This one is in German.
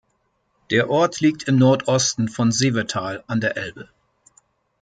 Der Ort liegt im Nordosten von Seevetal an der Elbe.